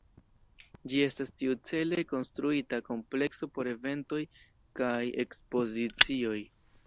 Ĝi estas tiucele konstruita komplekso por eventoj kaj ekspozicioj.